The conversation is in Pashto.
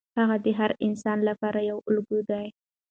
هغه د هر انسان لپاره یو الګو دی.